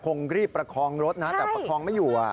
คงรีบประคองรถนะแต่ประคองไม่อยู่